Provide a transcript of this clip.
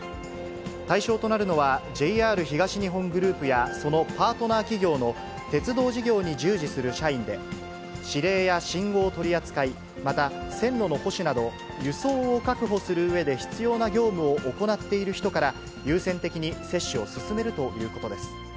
対象となるのは、ＪＲ東日本グループやそのパートナー企業の鉄道事業に従事する社員で、指令や信号取り扱い、また線路の保守など、輸送を確保するうえで必要な業務を行っている人から、優先的に接種を進めるということです。